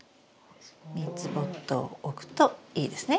３つポットを置くといいですね。